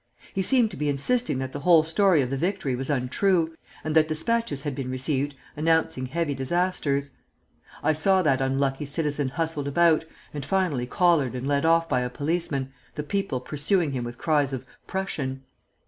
He seemed to be insisting that the whole story of the victory was untrue, and that despatches had been received announcing heavy disasters. I saw that unlucky citizen hustled about, and finally collared and led off by a policeman, the people pursuing him with cries of 'Prussian!'